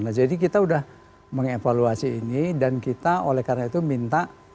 nah jadi kita sudah mengevaluasi ini dan kita oleh karena itu minta